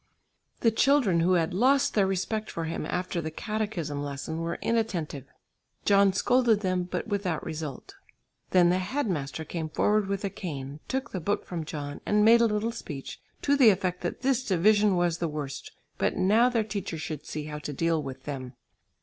The children who had lost their respect for him after the catechism lesson were inattentive. John scolded them, but without result. Then the head master came forward with a cane; took the book from John and made a little speech, to the effect that this division was the worst, but now their teacher should see how to deal with them.